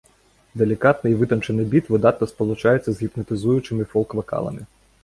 Далікатны і вытанчаны біт выдатна спалучаецца з гіпнатызуючымі фолк-вакаламі.